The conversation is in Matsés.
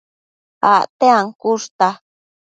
Acte ancushta